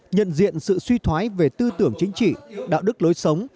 nhận diện sự suy thoái về tư tưởng chính trị đạo đức lối sống